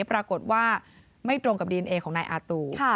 ปรากฏว่าไม่ตรงกับดีเอนเอของนายอาตู